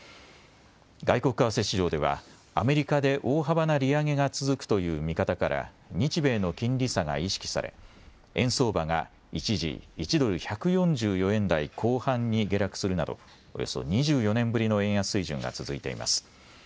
外国為替市場ではアメリカで大幅な利上げが続くという見方から日米の金利差が意識され円相場が一時１ドル１４４円台後半に下落するなどおよそ２４年ぶりの円安水準が続いています。